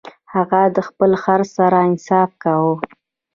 هغه د خپل خر سره انصاف کاوه.